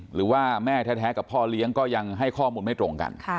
หรือว่าแม่แท้กับพ่อเลี้ยงก็ยังให้ข้อมูลไม่ตรงกัน